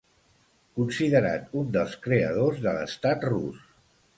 Considerat un dels creadors de l'estat rus.